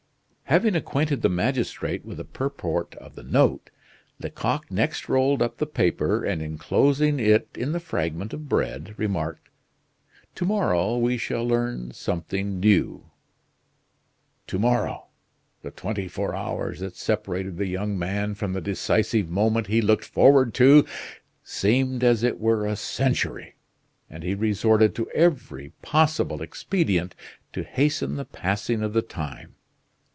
Having acquainted the magistrate with the purport of the note, Lecoq next rolled up the paper, and enclosing it in the fragment of bread, remarked: "To morrow we shall learn something new." To morrow! The twenty four hours that separated the young man from the decisive moment he looked forward to seemed as it were a century; and he resorted to every possible expedient to hasten the passing of the time.